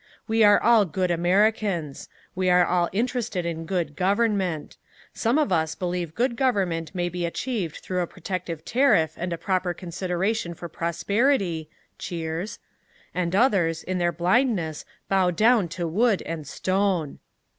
We are all good Americans. We are all interested in good government. Some of us believe good government may be achieved through a protective tariff and a proper consideration for prosperity [cheers], and others, in their blindness, bow down to wood and stone!"